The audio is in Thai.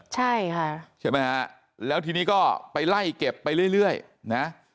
ใช่ค่ะใช่ไหมฮะแล้วทีนี้ก็ไปไล่เก็บไปเรื่อยนะ